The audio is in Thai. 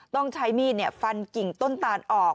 ต้องใช้มีดฟันกิ่งต้นตานออก